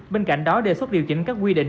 bên cạnh đó đề xuất điều chỉnh các quy định